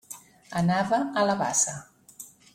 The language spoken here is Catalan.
Anava a la bassa.